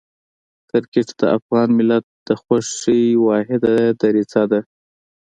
کرکټ د افغان ملت د خوښۍ واحده دریڅه ده.